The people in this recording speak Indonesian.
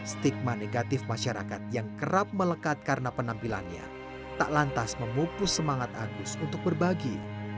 stigma negatif masyarakat yang kerap melekat karena penampilannya tak lantas memupus semangat agus untuk berbagi